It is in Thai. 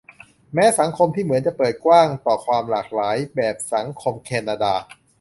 แม้สังคมที่เหมือนจะเปิดกว้างต่อความหลากหลายแบบสังคมแคนนาดา